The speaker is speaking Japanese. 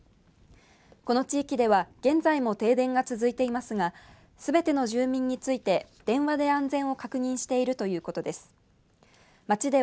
この地域では現在も停電が続いていますがすべての住民について電話で安全を確認しているということです。